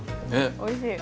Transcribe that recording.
おいしい。